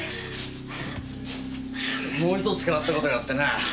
もう１つ変わった事があってなあ。